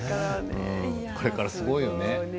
これからすごいよね。